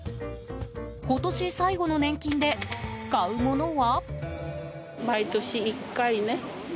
今年最後の年金で買うものは？